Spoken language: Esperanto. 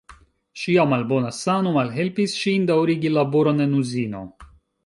Ŝia malbona sano malhelpis ŝin daŭrigi laboron en uzino.